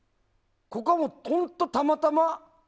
ここはもう本当たまたま？